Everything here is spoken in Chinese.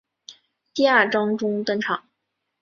第二章中登场。